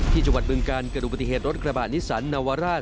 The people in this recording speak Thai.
ที่จังหวัดเมืองการเกิดอุปติเหตุรถกระบะนิสสันนวรราศ